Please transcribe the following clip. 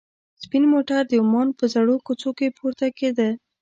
سپین موټر د عمان په زړو کوڅو کې پورته کېده.